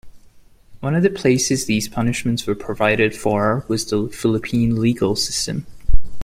One of the places these punishments were provided for was the Philippine legal system.